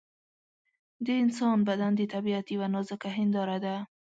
د انسان بدن د طبیعت یوه نازکه هنداره ده.